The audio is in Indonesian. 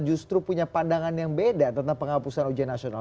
justru punya pandangan yang beda tentang penghapusan ujian nasional